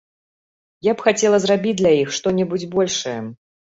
Я б хацела зрабіць для іх што-небудзь большае.